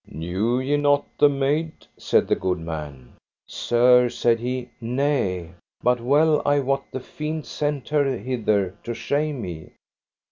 Knew ye not the maid? said the good man. Sir, said he, nay, but well I wot the fiend sent her hither to shame me.